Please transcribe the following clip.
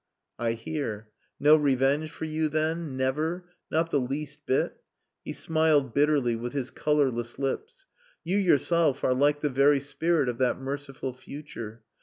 "I hear. No revenge for you, then? Never? Not the least bit?" He smiled bitterly with his colourless lips. "You yourself are like the very spirit of that merciful future.